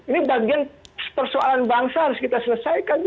ini bagian persoalan bangsa harus kita selesaikan